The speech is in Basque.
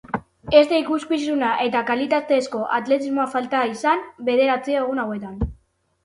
Ez da ikuskizuna eta kalitatezko atletismoa falta izan bederatzi egun hauetan.